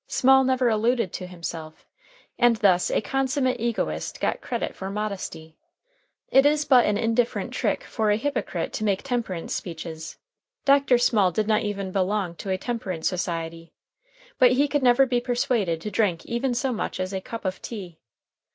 Small never alluded to himself, and thus a consummate egotist got credit for modesty. It is but an indifferent trick for a hypocrite to make temperance speeches. Dr. Small did not even belong to a temperance society. But he could never be persuaded to drink even so much as a cup of tea.